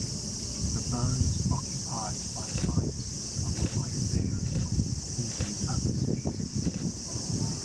The bones occupied by sinuses are quite variable in these other species.